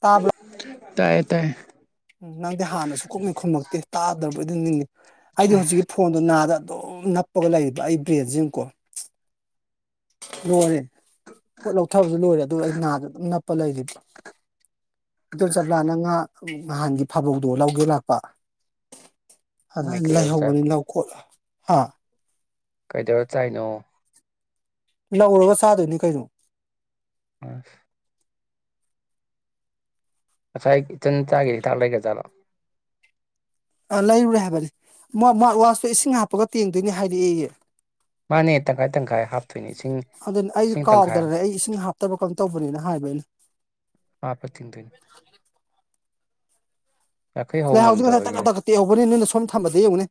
ꯇꯥꯕ꯭ꯔꯣ ꯇꯌꯦ ꯇꯥꯏꯌꯦ ꯎꯝ ꯅꯪꯗꯤ ꯍꯥꯟꯅ ꯁꯨꯈꯨꯝꯍꯦꯛ ꯈꯨꯝꯃꯛꯇꯦ ꯇꯥꯗ꯭ꯔꯕ ꯑꯗꯨꯅꯤꯅꯦ ꯑꯩꯗꯤ ꯍꯧꯖꯤꯛꯀꯤ ꯐꯣꯟꯗꯣ ꯅꯥꯗ ꯑꯗꯨꯝ ꯅꯞꯄꯒ ꯂꯩꯌꯦꯕ ꯑꯩ ꯕ꯭ꯔꯦꯟ [unintelligible] ꯂꯣꯏꯔꯦ ꯄꯣꯠ ꯂꯧꯊꯕꯁꯨ ꯂꯣꯏꯔꯦ ꯑꯗꯨ ꯑꯩ ꯅꯥꯗ ꯑꯗꯨꯝ ꯑꯄ ꯂꯩꯔꯤꯕ ꯏꯗꯣꯝꯆꯥ ꯕ꯭ꯂꯥꯅ ꯉꯥ ꯅꯍꯥꯟꯒꯤ ꯐꯥꯕꯧꯗꯣ ꯂꯧꯒꯦ ꯂꯥꯛꯄ ꯑꯗ ꯃꯣꯏ ꯑꯩꯅ ꯀꯩꯗꯧ ꯂꯩꯍꯧꯕꯅꯤ ꯆꯥꯕ ꯂꯧ ꯈꯣꯠꯂꯨ ꯍꯥꯥ ꯀꯩꯗꯧꯔ ꯆꯥꯏꯅꯣ ꯂꯧꯔꯒ ꯆꯥꯗꯣꯏꯅꯤ ꯀꯩꯅꯣ ꯑꯁ ꯉꯥꯁꯥꯌ ꯏꯆꯥꯅ ꯆꯥꯒꯤ ꯍꯤꯗꯥꯛ ꯂꯩꯒꯔꯥꯖꯠꯜ ꯑ ꯂꯩꯔꯨꯔꯦ ꯍꯥꯏꯕꯅꯤ ꯃꯥꯔꯠ ꯋꯥꯁꯇꯣ ꯏꯁꯤꯡ ꯍꯥꯞꯄꯒ ꯇꯦꯡꯗꯣꯏꯅꯤ ꯍꯥꯏꯔꯛꯑꯏꯦ ꯃꯥꯅꯦ ꯇꯪꯈꯥꯏ ꯇꯪꯈꯥꯏ ꯍꯥꯞꯇꯣꯏꯅꯦ ꯏꯁꯤꯡ ꯑꯗꯨꯅ ꯑꯩꯁꯨ ꯏꯁꯤꯡ ꯇꯪꯈꯥꯏ ꯀꯥꯎꯗ꯭ꯔꯔꯦ ꯑꯃ ꯑꯩ ꯏꯁꯤꯡ ꯍꯥꯞꯇꯕ ꯀꯝ ꯇꯧꯕꯅꯦꯅ ꯍꯥꯏꯕ ꯑꯩꯅ ꯃꯥꯄ ꯇꯤꯪꯗꯣꯏꯟ ꯍꯧ ꯂꯩꯥꯏꯍꯥꯎꯁꯤ ꯉꯁꯥꯏ ꯇꯛꯀꯠ ꯉꯝꯗꯕꯒꯤꯅꯤꯗ ꯇꯛꯀꯛꯇ ꯌꯧꯕꯅꯤ ꯅꯣꯏꯅ ꯁꯣꯝ ꯊꯝꯕꯗꯩꯩ ꯌꯦꯡꯑꯣꯅꯦ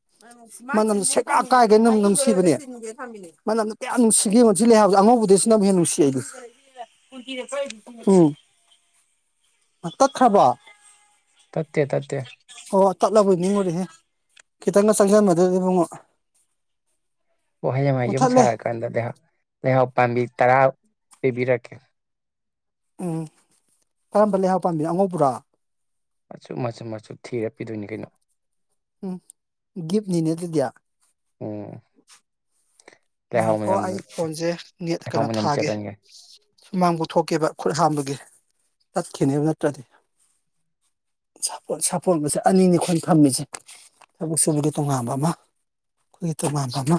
ꯃꯅꯝ ꯁꯦ ꯀꯥꯏꯒꯦꯅ ꯅꯨꯡꯁꯤꯕꯅꯦ ꯃꯅꯝ ꯀꯌꯥꯝ ꯅꯨꯡꯁꯤꯒꯦꯉꯣꯟꯁꯤ ꯂꯩ ꯍꯥꯏꯕꯁ ꯑꯉꯧꯕꯗꯩꯁꯨꯅ ꯍꯦꯟꯅ ꯅꯨꯡꯁꯤ ꯑꯩ ꯎꯝ ꯇꯠꯈ꯭ꯔꯕꯣ ꯇꯦ ꯇꯊꯦ ꯀꯠꯂꯕꯣꯏ ꯅꯤꯡꯉꯨꯔꯤꯅꯦ ꯈꯤꯇꯥꯡꯒ ꯆꯪꯁꯤꯟꯕꯗꯨꯗ ꯑꯦꯕꯨꯡꯉꯣ ꯋꯥꯍꯩ ꯌꯥꯝ ꯌꯨꯝ ꯁꯥꯔꯀꯥꯟꯗ ꯂꯩꯍꯥꯎ ꯄꯥꯝꯕꯤ ꯇꯔꯥ ꯑꯦꯕꯤꯔꯀꯦ ꯎꯝ ꯀꯔꯝꯕ ꯂꯩꯍꯥꯎ ꯄꯥꯝꯕꯤꯅꯣ ꯑꯉꯧꯕꯔꯥ ꯃꯆꯨ ꯃꯆꯨ ꯃꯆꯨ ꯊꯤꯔ ꯄꯤꯗꯣꯏꯅꯤ ꯀꯩꯅꯣ ꯎꯝ ꯒꯤꯞꯅꯤꯅꯦ ꯑꯗꯨꯗꯤ ꯎꯝ ꯂꯩꯍꯥꯎ ꯉꯥꯏꯈꯣꯀꯣ ꯃꯅꯝꯅ ꯑꯩ ꯐꯣꯟꯁꯦ ꯅꯦꯠ ꯂꯩꯍꯥꯎ ꯀꯩꯅꯣ ꯃꯅꯝ ꯊꯥꯒꯦ ꯆꯦꯜꯍꯟꯒꯦ ꯁꯨꯃꯥꯡ ꯄꯨꯊꯣꯛꯀꯦꯕ ꯈꯨꯠ ꯍꯥꯝꯕꯒꯤ ꯊꯠꯈꯤꯅꯦꯕ ꯅꯠꯇ꯭ꯔꯗꯤ ꯁꯥꯄꯣꯟꯕꯁꯦ ꯑꯅꯤꯅꯤ ꯑꯩꯈꯣꯏꯅ ꯐꯝꯃꯤꯁꯦ ꯊꯕꯛ ꯁꯨꯕꯒꯤ ꯇꯣꯉꯥꯟꯕ ꯑꯃ ꯑꯩꯈꯣꯏꯒꯤ ꯇꯣꯉꯥꯟꯕ ꯑꯃ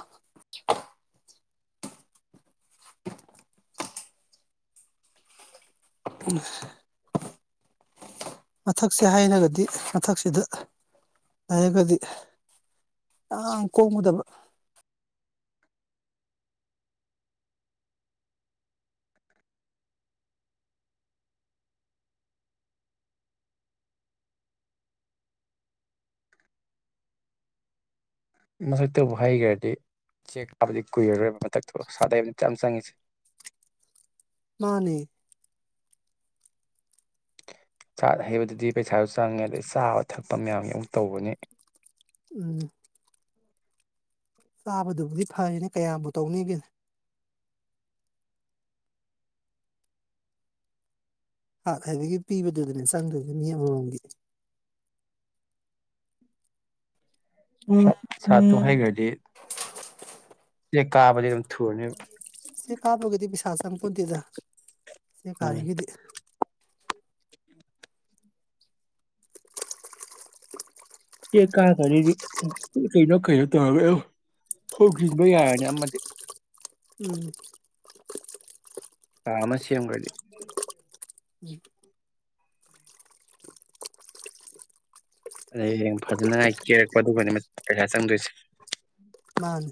ꯎ ꯃꯊꯛꯁꯦ ꯍꯩꯔꯒꯗꯤ ꯃꯊꯛꯁꯤꯗ ꯂꯩꯔꯒꯗꯤ ꯌꯥꯝ ꯀꯣꯝꯒꯗꯕ ꯃꯊꯛ ꯇꯕꯨ ꯍꯩꯈ꯭ꯔꯗꯤ ꯆꯦꯛ ꯀ ꯥꯕꯗꯤ ꯀꯨꯏꯔꯔꯣꯏ [unintelligible] ꯁꯥꯠ ꯍꯩꯕꯗꯥꯅꯤ ꯌꯥꯝ ꯆꯪꯉꯦ [inaudible] ꯃꯥꯅꯦ ꯁꯥꯠ ꯍꯩꯕꯗꯨꯗꯤ ꯄꯩꯁꯥꯁꯨ ꯆꯪꯉꯦ ꯑꯗꯩ ꯆꯥꯕ ꯊꯛꯄ ꯃꯌꯥꯝꯁ ꯑꯃꯨꯛ ꯇꯧꯕꯅꯤ ꯎꯝ ꯆꯥꯕꯗꯨꯕꯨꯗꯤ ꯐꯩꯔꯦꯅꯦ ꯀꯌꯥꯝꯕꯨ ꯇꯧꯅꯦꯒꯦ ꯁꯥꯠ ꯍꯩꯕꯒꯤ ꯄꯤꯕꯗꯨꯗꯅꯦ ꯆꯪꯗꯣꯏꯁꯤꯅ ꯃꯤ ꯑꯃꯃꯝꯒꯤ ꯁꯥꯠ ꯇꯨ ꯍꯩꯒ꯭ꯔꯥꯗꯤ ꯗꯤ ꯆꯦꯛ ꯀꯥꯕꯗꯤ ꯑꯗꯨꯝ ꯊꯨꯨꯔꯅꯦꯕ ꯆꯦꯛ ꯀꯥꯕꯒꯗꯤ ꯄꯩꯁꯥ ꯆꯪꯄꯣꯟꯇꯦꯗ ꯆꯦꯛ ꯎꯝ ꯀꯥꯔꯤꯒꯤꯗꯤ ꯆꯦꯛ ꯀꯥꯈ꯭ꯔꯥꯗꯤ ꯀꯩꯅꯣ ꯀꯩꯅꯣ ꯇꯧꯔꯒ ꯑꯗꯨꯝ ꯍꯣꯡꯖꯟꯕ ꯥꯔꯅꯤ ꯑꯃꯗꯤ ꯎꯝ ꯀꯥ ꯑꯃ ꯁꯦꯝꯈ꯭ꯔꯥꯗꯤ ꯎ ꯑꯗꯩ ꯍꯌꯦꯡ ꯐꯖꯅ ꯀꯦꯔꯛꯄ ꯑꯗꯨꯗꯅꯤ ꯄꯩꯁꯥ ꯆꯪꯗꯣꯏꯁꯦ ꯃꯥꯅꯦ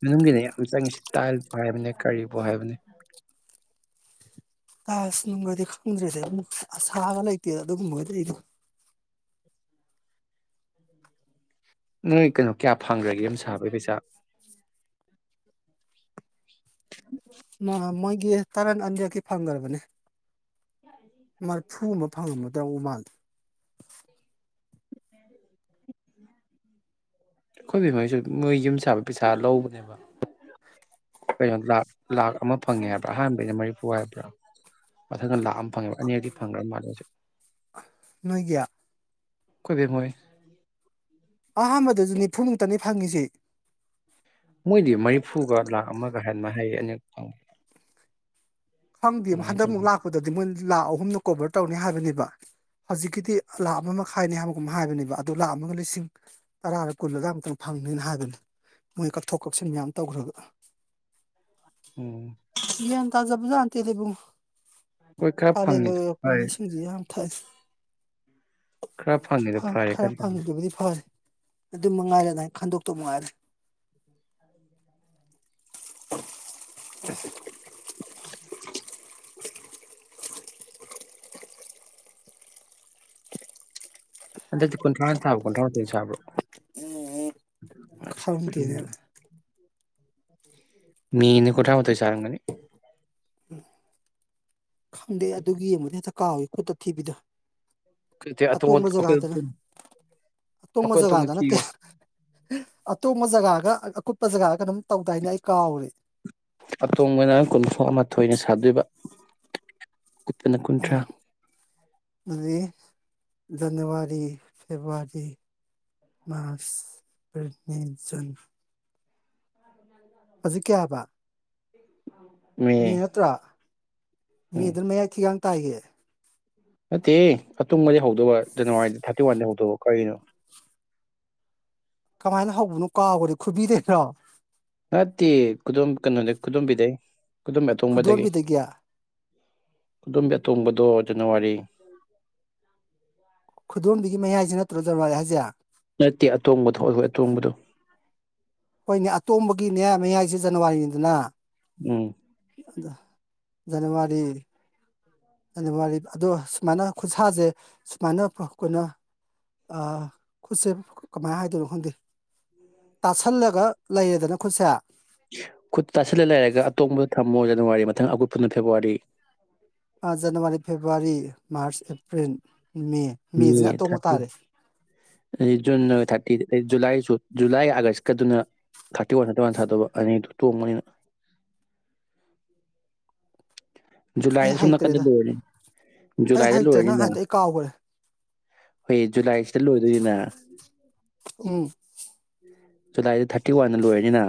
ꯃꯅꯨꯡꯒꯤꯅꯦ ꯌꯥꯝ ꯆꯪꯉꯤꯁꯤ ꯇꯥꯏꯜꯕꯨ ꯍꯥꯏꯕꯅꯦ ꯀꯔꯤꯕꯨ ꯍꯥꯏꯕꯅꯦ ꯇꯥꯏꯁ ꯅꯨꯡꯒꯗꯤ ꯈꯪꯗ꯭ꯔꯦꯗꯥ ꯏꯕꯨꯡꯉꯣ ꯑꯁꯥꯒ ꯂꯩꯇꯦꯗ ꯑꯗꯨꯒꯨꯝꯕꯒꯗꯤ ꯑꯩꯗꯤ ꯅꯣꯏ ꯀꯩꯅꯣ ꯀꯌꯥ ꯐꯪꯈ꯭ꯔꯒꯦ ꯌꯥꯝ ꯁꯥꯕꯒꯤ ꯄꯩꯁꯥ ꯃꯣꯏꯒꯤ ꯇꯔꯟ ꯑꯅꯤꯈꯛꯀꯤ ꯐꯪꯈ꯭ꯔꯕꯅꯦ [unintelligible] [unintelligible] ꯑꯃ ꯐꯪꯉꯝꯒꯗꯕ ꯃꯥꯜꯂꯤ ꯑꯩꯈꯣꯏꯒꯤ ꯕꯦꯝ ꯍꯣꯏꯁꯨ ꯃꯣꯏ ꯌꯨꯝ ꯁꯥꯕ ꯄꯩꯁꯥ ꯂꯧꯕꯅꯦꯕ ꯀꯩꯅꯣ ꯂꯥꯛ ꯑꯃ ꯐꯪꯉꯦ ꯍꯥꯏꯕ꯭ꯔꯥ ꯑꯍꯥꯟꯕꯩꯅ ꯃꯔꯤꯐꯨ ꯍꯥꯏꯕ꯭ꯔꯥ ꯃꯊꯪꯗ ꯂꯥꯛ ꯑꯃ ꯐꯪꯉꯦꯕ ꯑꯅꯤꯔꯛꯇꯤ ꯐꯪꯈ꯭ꯔ ꯃꯥꯜꯂꯦ ꯃꯣꯏꯁꯨ ꯅꯣꯏꯒꯤ ꯈꯣꯏ ꯕꯦꯝ ꯍꯣꯏ ꯑꯍꯥꯟꯕꯗꯁꯨ ꯅꯤꯐꯨꯃꯨꯛꯇꯅꯤ ꯐꯪꯉꯤꯁꯦ ꯃꯣꯏꯗꯤ ꯃꯔꯤꯐꯨꯒ ꯂꯥꯛ ꯑꯃꯒ ꯍꯥꯏꯅ ꯍꯥꯏꯌꯦ ꯑꯅꯤ ꯑ ꯈꯪꯗꯤꯕ ꯍꯟꯗꯛꯃꯨꯛ ꯂꯥꯛꯄꯗꯗꯤ ꯃꯣꯏ ꯂꯥꯈ ꯑꯍꯨꯝꯅ ꯀꯣꯚꯔ ꯇꯧꯅꯤ ꯍꯥꯏꯕꯅꯦꯕ ꯍꯧꯖꯤꯛꯀꯤꯗꯤ ꯂꯥꯛ ꯑꯃ ꯃꯈꯥꯏꯅꯤ ꯍꯥꯏꯕꯒꯨꯝ ꯍꯥꯏꯕꯅꯦꯕ ꯑꯗꯨ ꯂꯥꯛ ꯑꯃꯒ ꯂꯤꯁꯤꯡ ꯇꯔꯥꯔ ꯀꯨꯜꯂꯒ ꯑꯃꯨꯛꯇꯪ ꯐꯪꯅꯤꯅ ꯍꯥꯏꯕꯅꯤ ꯃꯣꯏ ꯀꯛꯊꯣꯛ ꯀꯛꯁꯤꯟ ꯃꯌꯝ ꯇꯧꯈ꯭ꯔꯒ ꯎꯝ ꯒꯌ꯭ꯥꯟ ꯇꯖꯕ ꯇꯦꯗꯥ ꯏꯕꯨꯡꯉꯣ ꯍꯣꯏ ꯈꯔ ꯀꯥꯂꯦꯟꯒ ꯐꯪꯉꯤꯗꯣ ꯌꯧꯔꯛꯄꯅꯤꯅ ꯐꯔꯦ ꯏꯁꯤꯡꯖꯤ ꯌꯥꯝ ꯊꯛꯑꯦ ꯈꯔ ꯐꯪꯉꯤꯗꯨ ꯐꯔꯦ ꯈꯔ ꯐꯪꯉꯤꯗꯨꯕꯨꯗꯤ ꯐꯔꯦ ꯑꯗꯨ ꯃꯉꯥꯏꯔꯦ ꯑꯗꯨꯃꯥꯏ ꯈꯟꯗꯣꯛ ꯇꯧ ꯃꯉꯥꯏꯔꯦ꯫ [unintelligible] ꯍꯟꯗꯛꯇꯤ ꯀꯨꯟꯊ꯭ꯔꯥꯅ ꯁꯥꯕꯔꯣ ꯀꯨꯟꯊ꯭ꯔꯥ ꯃꯥꯊꯣꯏꯅ ꯁꯥꯕ꯭ꯔꯣ ꯈꯪꯗꯦꯅꯦ [unintelligible] ꯃꯦꯅꯦ ꯀꯟꯊ꯭ꯔꯥ ꯃꯊꯣꯢꯅ ꯁꯔꯝꯒꯅꯤ ꯈꯪꯗꯦ ꯑꯗꯨꯒꯤ ꯌꯦꯡꯕꯗꯣ ꯍꯦꯛꯇ ꯀꯥꯎꯋꯤ ꯈꯨꯠꯇ ꯊꯤꯕꯤꯗꯣ ꯑꯇꯣꯡ ꯑꯇꯣꯡꯕ ꯖꯒꯥꯗꯔ ꯑꯩꯈꯣꯏ ꯑꯇꯣꯡꯕ ꯖꯒꯥꯗ ꯅꯠꯇꯦ ꯑꯇꯣꯡꯕ ꯖꯒꯥꯒ ꯑꯀꯨꯠꯄ ꯖꯒꯥꯔ ꯀꯩꯅꯣꯝ ꯇꯧꯗꯥꯏꯅꯦ ꯑꯩ ꯀꯥꯎꯔꯦ꯫ ꯑꯇꯣꯡꯕꯅ ꯀꯨꯟꯊ꯭ꯔꯥ ꯃꯥꯊꯣꯏꯅ ꯁꯥꯗꯣꯏꯕ ꯀꯨꯠꯄꯅ ꯀꯨꯟꯊ꯭ꯔꯥ ꯎꯝ ꯑꯗꯨꯗꯤ January February March April May June ꯍꯧꯖꯤꯛ ꯀꯌꯥꯕ ꯃꯦ ꯅꯠꯇ꯭ꯔꯣ ꯃꯦꯗꯨꯅ ꯃꯌꯥꯏ ꯊꯤꯒꯥꯡ ꯇꯥꯏꯌꯦ ꯅꯠꯇꯦꯌꯦ ꯑꯇꯣꯡꯕꯗꯒꯤ ꯍꯧꯗꯧꯕ ꯖꯅꯋꯥꯔꯤꯗꯤ ꯊꯥꯔꯇꯤ ꯋꯥꯟꯗꯩ ꯍꯧꯗꯧꯕ ꯀꯔꯤꯅꯣ ꯀꯃꯥꯏꯅ ꯍꯧꯕꯅꯣ ꯀꯥꯎꯒꯔꯦ ꯈꯨꯕꯤꯗꯩꯔꯣ꯫ ꯅꯠꯇꯦꯌꯦ ꯈꯨꯗꯝ ꯀꯩꯅꯣꯗꯩ ꯈꯨꯗꯣꯝꯕꯤꯗꯩ ꯈꯨꯗꯨꯝꯕꯤ ꯑꯇꯣꯡꯕꯗꯒꯤ ꯈꯨꯗꯣꯝꯕꯤꯗꯒꯤ ꯈꯨꯗꯣꯝꯕꯤ ꯑꯇꯣꯡꯕꯗꯣ ꯖꯥꯅꯋꯥꯔꯤ ꯈꯨꯗꯣꯝꯕꯤꯒꯤ ꯃꯌꯥꯏꯖꯦ ꯅꯠꯇ꯭ꯔꯣ ꯖꯥꯅꯋꯥꯔꯤ ꯍꯥꯏꯖꯦ ꯅꯠꯇꯦ ꯑꯇꯣꯡꯕꯗꯣ ꯑꯩꯈꯣꯏ ꯑꯇꯣꯡꯕꯗꯣ꯫ ꯍꯣꯏꯅꯦ ꯑꯇꯣꯝꯕꯒꯤꯅꯦ ꯃꯌꯥꯏꯁꯦ ꯖꯥꯅꯋꯥꯔꯤꯅꯤꯗꯅ ꯎꯝ ꯑꯗ ꯖꯅꯋꯥꯔꯤ ꯖꯅꯋꯥꯔꯤ ꯑꯗꯣ ꯁꯨꯃꯥꯏꯅ ꯈꯨꯠꯁꯥꯁꯦ ꯁꯨꯃꯥꯏꯅ [unintelligible] ꯑ ꯈꯨꯠꯁꯦ ꯀꯃꯥꯏꯅ ꯍꯥꯏꯗꯣꯏꯅꯣ ꯈꯪꯗꯦ ꯇꯥꯁꯜꯂꯒ ꯂꯩꯌꯦꯗꯅ ꯈꯨꯠꯁꯦ꯫ ꯈꯨꯠꯇ ꯇꯥꯁꯤꯜꯂ ꯂꯩꯔꯒ [unintelligible] ꯖꯅꯋꯥꯔꯤ ꯃꯊꯪ ꯑꯀꯨꯠꯄꯗꯨꯅꯅ ꯐꯦꯕꯋꯥꯔꯤ ꯑ January February March April May May ꯃꯦꯁꯤꯅ ꯑꯇꯣꯡꯕ ꯊꯥꯔꯇꯤ ꯇꯥꯔꯦ ꯑꯗꯩ ꯖꯨꯟꯅ ꯊꯥꯔꯇꯤ ꯖꯨꯂꯥꯏ ꯨ ꯖꯨꯂꯥꯏ ꯑꯥꯒꯁ ꯀꯗꯨꯅ ꯊꯥꯔꯇꯤ ꯋꯥꯟ ꯊꯥꯔꯇꯤ ꯋꯥꯟ ꯁꯥꯗꯧꯕ ꯑꯅꯤꯗꯨ ꯇꯣꯡꯕꯅꯤꯅ ꯖꯨꯂꯥꯏ ꯑꯩ ꯑꯁꯣꯝ ꯅꯥꯀꯟꯗ ꯍꯩꯇ꯭ꯔꯦꯗ ꯂꯣꯏꯔꯅꯤ ꯑꯩ ꯖꯨꯂꯥꯏꯗ ꯍꯩꯇ꯭ꯔꯦ ꯅꯪ ꯂꯣꯏꯔꯅꯤꯅ ꯍꯥꯏꯗꯣ ꯑꯩ ꯀꯥꯎꯈ꯭ꯔꯦ ꯍꯣꯏ ꯖꯨꯂꯥꯏꯁꯤꯗ ꯂꯣꯏꯗꯣꯏꯅꯤꯅ ꯎꯝ ꯖꯨꯂꯥꯏꯗꯣ ꯊꯥꯔꯇꯤ ꯋꯥꯟꯅ ꯂꯣꯏꯔꯅꯤꯅ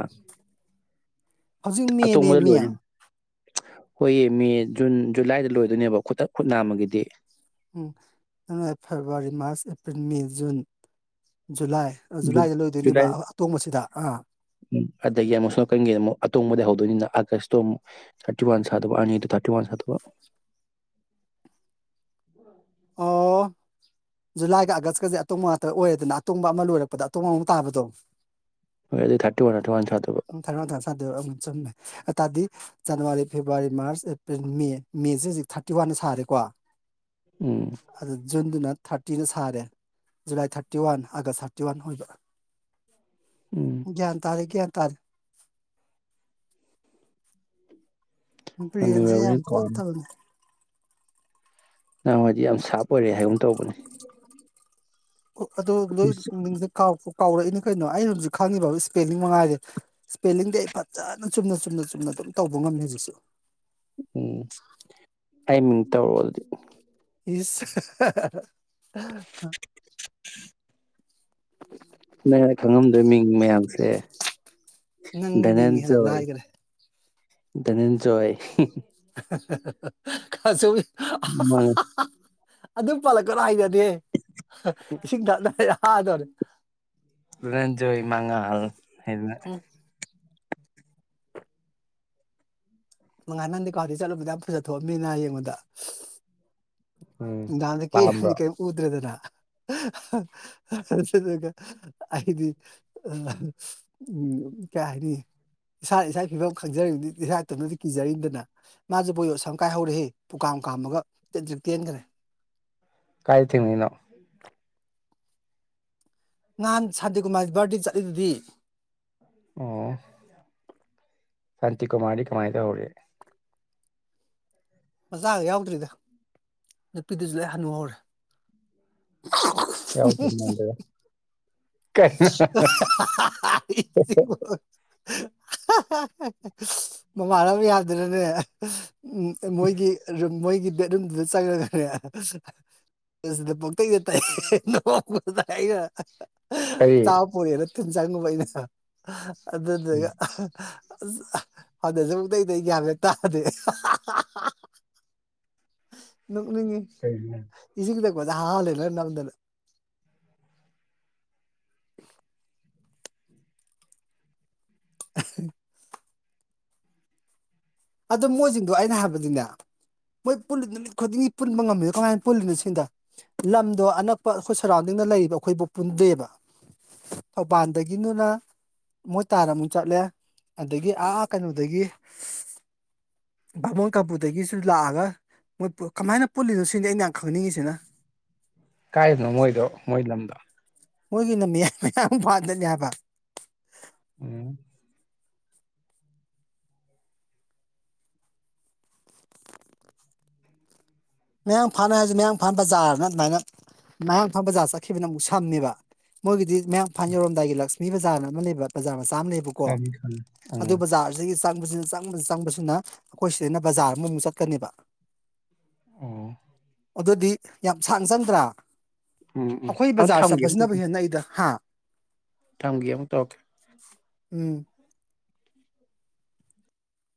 ꯍꯧꯖꯤꯛ ꯃꯦꯅꯦ ꯑꯇꯣꯡꯕꯗ ꯃꯦ ꯂꯣꯏꯔꯅꯤ ꯍꯣꯏꯌꯦ ꯃꯦ ꯖꯨꯟ ꯖꯨꯂꯥꯏꯗ ꯂꯣꯏꯗꯣꯏꯅꯦꯕ ꯈꯨꯠꯇ ꯈꯨꯠ ꯅꯥꯝꯃꯒꯤꯗꯤ꯫ ꯎꯝ February March April May June July ꯖꯨꯂꯥꯏꯗ ꯂꯣꯏꯗꯣꯏꯅꯦꯕ ꯖꯨꯂꯥꯏ ꯑꯇꯣꯡꯕꯁꯤꯗ ꯑꯥ ꯑꯗꯒꯤ ꯑꯃꯨꯛ ꯁꯣꯝ ꯅꯥꯀꯟꯒꯤ ꯑꯃꯨꯛ ꯑꯇꯣꯡꯕꯗꯩ ꯍꯧꯗꯣꯏꯅꯤꯅ ꯑꯥꯒꯁꯇꯣ ꯑꯃꯨꯛ ꯊꯥꯔꯇꯤ ꯋꯥꯟ ꯁꯥꯗꯧꯕ ꯑꯅꯤꯗꯣ ꯊꯥꯔꯇꯤ ꯋꯥꯟ ꯁꯥꯗꯧꯕ ꯑꯣ ꯖꯨꯂꯥꯏꯒ ꯑꯥꯒꯁꯀꯖꯦ ꯑꯇꯣꯕ ꯉꯥꯛꯇ ꯑꯣꯏꯔꯦꯗꯅ ꯑꯇꯣꯡꯕ ꯑꯃ ꯂꯣꯏꯔꯛꯄꯗ ꯑꯇꯣꯡꯕ ꯑꯃ ꯇꯥꯕꯗꯣ ꯍꯣꯏ ꯑꯗꯨꯗꯤ ꯊꯥꯔꯇꯤ ꯋꯥꯟ ꯊꯔꯇꯤ ꯋꯥꯟ ꯁꯥꯗꯧꯕ꯫ ꯎꯝ ꯊꯥꯔꯇꯤ ꯋꯥꯟ ꯊꯥꯔꯇꯤ ꯎꯝ ꯆꯨꯝꯃꯦ ꯑꯇꯥꯗꯤ January February March April May ꯃꯦꯖꯦ ꯍꯧꯖꯤꯛ ꯊꯥꯔꯇꯤ ꯋꯥꯟꯅ ꯁꯥꯔꯦꯀꯣ ꯎꯝ [unintelligible] ꯑꯗꯨꯅ ꯊꯥꯔꯇꯤꯅ ꯁꯥꯔꯦ ꯖꯨꯂꯥꯏ ꯊꯥꯔꯇꯤꯋꯥꯟ ꯑꯥꯒꯁ ꯊꯥꯔꯇꯤꯋꯥꯟ ꯑꯣꯏꯕ ꯎꯝ [unintelligible] [unintelligible] ꯕꯔ꯭ꯦꯟꯁꯤ ꯍꯅꯨꯔꯕꯅꯤ ꯌꯥꯝ ꯀꯣ ꯐꯠꯇꯕꯅꯦ [unintelligible] ꯌꯥꯝ ꯁꯥꯔꯞ ꯑꯣꯏꯔꯦ ꯍꯥꯏꯒꯨꯝ ꯇꯧꯕꯅꯦ ꯑꯣ ꯑꯗꯨ ꯂꯣꯏ [unintelligible] [unintelligible] ꯀꯥꯎꯔꯛꯏꯅꯤ ꯀꯩꯅꯣ ꯑꯩꯅ ꯍꯧꯖꯤꯛ ꯈꯪꯉꯤꯕ ꯏꯁꯄꯦꯂꯤꯡ ꯃꯉꯥꯏꯔꯦ ꯏꯁꯄꯦꯂꯤꯡꯗꯤ ꯑꯩ ꯐꯖꯅ ꯆꯨꯝꯅ ꯆꯨꯝꯅ ꯆꯨꯝꯅ ꯑꯗꯨꯝ ꯇꯧꯕ ꯉꯝꯃꯤ ꯍꯧꯖꯤꯛꯁꯨ ꯎꯝ ꯑꯩ ꯃꯤꯡ ꯇꯧꯔꯣꯗꯨꯗꯤ ꯏꯁ [unintelligible] [unintelligible] ꯅꯪꯅ ꯈꯪꯉꯝꯗꯣꯏ ꯃꯤꯡ ꯃꯌꯥꯝꯁꯦ ꯅꯪꯒꯤ ꯃꯤꯡꯅ ꯍꯦꯟꯅ ꯗꯅꯟꯖꯣꯏ ꯂꯥꯏꯈ꯭ꯔꯦ ꯗꯅꯟꯖꯣꯏ [unintelligible] [unintelligible] ꯑꯗꯨ ꯄꯜꯂꯛꯀꯅꯨ [unintelligible] [unintelligible] ꯏꯁꯤꯡ [unintelligible] [unintelligible] ꯗꯅꯟꯖꯣꯏ ꯃꯉꯥꯜ ꯍꯥꯏꯅ ꯃꯉꯥꯟ ꯅꯪꯗꯤ [unintelligible] ꯆꯠꯂꯨꯕꯗ ꯌꯥꯝ ꯐꯖꯊꯣꯛꯑꯃꯤꯅ ꯌꯦꯡꯕꯗ ꯎꯝ ꯄꯥꯝꯕ꯭ꯔꯣ [unintelligible] ꯎꯗꯔ꯭ꯦꯗꯅ ꯑꯗꯨꯗꯨ ꯑꯩꯗꯤ ꯀꯩ ꯍꯥꯏꯅꯤ ꯏꯁꯥꯅ ꯏꯁꯥꯒꯤ ꯐꯤꯕꯝ ꯈꯪꯖꯔꯤꯕꯗꯤ ꯏꯁꯥ [unintelligible] ꯀꯤꯖꯔꯤꯗꯅ ꯃꯥꯁꯨ [unintelligible] ꯀꯥꯏꯍꯧꯔꯦꯍꯦ ꯄꯨꯀꯥꯝ ꯀꯥꯝꯃꯒ ꯇꯦꯟꯇ꯭ꯔꯤꯛ ꯇꯦꯟꯈ꯭ꯔꯦ ꯀꯥꯏꯗ ꯊꯦꯡꯅꯩꯅꯣ ꯅꯍꯥꯟ [unintelligible] ꯕꯥꯔꯗꯦ ꯆꯠꯂꯤꯗꯨꯗꯤ ꯑꯣ ꯁꯥꯟꯇꯤꯀꯨꯃꯥꯔꯗꯤ ꯀꯃꯥꯏ ꯇꯧꯍꯧꯔꯤ ꯃꯆꯥꯒ ꯌꯥꯎꯗ꯭ꯔꯤꯗ ꯅꯨꯄꯤꯗꯨꯁꯨ ꯂꯣꯏ ꯍꯅꯨꯍꯧꯔꯦ [unintelligible] [unintelligible] ꯀꯩꯅꯣ [unintelligible] ꯃꯃꯥꯟꯅꯕ ꯃꯌꯥꯝꯗꯨꯅꯅꯦ ꯎꯝ ꯃꯣꯏꯒꯤ ꯃꯣꯏꯒꯤ [unintelligible] [unintelligible] [unintelligible] [unintelligible] [unintelligible] [unintelligible] ꯀꯔꯤ ꯎꯝ ꯑꯗꯨꯗꯨꯒ ꯑꯁ ꯑꯗ [unintelligible] ꯃꯨꯛꯇꯩꯗꯤ ꯒ꯭ꯌꯥꯟꯒ ꯇꯥꯗꯦ ꯅꯣꯛꯅꯤꯏ ꯀꯩꯅꯣ ꯏꯁꯤꯡ ꯊꯛ ꯑꯣꯖꯥ ꯍꯔꯥꯎꯍꯜꯂꯦ ꯂꯣꯏ ꯅꯝꯗꯅ [unintelligible] ꯑꯗꯣ ꯃꯣꯏꯁꯤꯡꯗꯣ ꯑꯩꯅ ꯍꯥꯏꯕꯗꯤꯅꯦ ꯃꯣꯏ ꯄꯨꯜꯂꯤ ꯅꯨꯃꯤꯠ ꯈꯨꯗꯤꯡꯒꯤ ꯄꯨꯟꯕ ꯉꯝꯃꯤꯗ ꯀꯃꯥꯏꯅ ꯄꯨꯜꯂꯤꯅꯣ ꯁꯤꯅꯤꯗ ꯂꯝꯗꯣ ꯑꯅꯛꯄ ꯑꯩꯈꯣꯏ ꯁꯔꯥꯎꯟꯗꯤꯡꯗ ꯂꯩꯔꯤꯕ ꯑꯩꯈꯣꯏꯕꯨ ꯄꯨꯟꯗꯦꯕ ꯊꯧꯕꯥꯜꯗꯒꯤꯅꯅ ꯃꯣꯏ ꯇꯥꯟꯅ ꯑꯃꯨꯛ ꯆꯠꯂꯦ ꯑꯗꯒꯤ ꯑ ꯀꯩꯅꯣꯗꯒꯤ ꯕꯥꯕꯣꯟ ꯀꯝꯕꯨꯗꯒꯤꯁꯨ ꯂꯥꯛꯑꯒ ꯃꯣꯏ ꯀꯃꯥꯏꯅ ꯄꯨꯜꯂꯤꯅꯣ ꯁꯤꯅꯤꯗ ꯑꯩꯅ ꯌꯥꯝ ꯈꯪꯅꯤꯡꯉꯤꯁꯤꯅ ꯀꯥꯏꯗꯅꯣ ꯃꯣꯏꯗꯣ ꯃꯣꯏ ꯂꯝꯗꯣ ꯃꯣꯏꯒꯤꯅ ꯃꯌꯥ ꯃꯌꯥꯝ ꯐꯥꯗꯅꯤ ꯍꯥꯏꯕ ꯎꯝ ꯃꯌꯥꯡꯐꯥꯟ ꯍꯥꯏꯔꯁꯨ ꯃꯌꯥꯡꯐꯥꯥꯟ ꯕꯖꯥꯔꯅ ꯑꯗꯨꯃꯥꯏꯅ ꯃꯌꯥꯡꯐꯥꯟ ꯕꯖꯥꯔ ꯆꯠꯈꯤꯕꯅ ꯑꯃꯨꯛ ꯁꯝꯃꯦꯕ ꯃꯣꯏꯒꯤꯗꯤ ꯃꯌꯥꯡꯐꯥꯥꯟ ꯌꯧꯔꯝꯗꯥꯏꯒꯤ ꯂꯛꯁꯃꯤ ꯕꯖꯥꯔꯅ ꯑꯃ ꯂꯩꯕ ꯕꯖꯥꯔ ꯆꯥ ꯑꯃ ꯂꯩꯌꯦꯕꯀꯣ ꯈꯪꯉꯤ ꯈꯪꯉꯤ ꯑꯗꯣ ꯎꯝ ꯕꯖꯥꯔꯖꯤꯗꯒꯤ ꯆꯪ ꯪ [unintelligible] ꯆꯪꯕꯁꯤꯅ ꯆꯪꯕꯁꯤꯅ ꯑꯩꯈꯣꯏ ꯁꯤꯗꯒꯤꯅ ꯕꯖꯥꯔ ꯑꯃꯃꯨꯛ ꯆꯠꯀꯅꯦꯕ ꯑꯣ ꯑꯗꯨꯗꯤ ꯌꯥꯝ ꯁꯥꯡꯅ ꯆꯪꯗ꯭ꯔꯥ ꯎꯝ ꯎꯝ ꯑꯈꯣꯏ ꯑꯝ ꯕꯖꯥꯔ ꯆꯠꯄꯕꯁꯤꯅꯕꯨ ꯍꯦꯟꯅ ꯅꯛꯏꯗ ꯍꯥ ꯊꯝꯒ ꯑꯃꯨꯛ ꯇꯎꯔꯛꯀꯦ ꯎꯝ